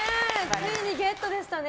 ついにゲットでしたね。